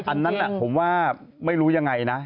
อันนั้นผมว่าไม่รู้ยังไงนะ